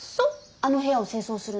あの部屋を清掃するの。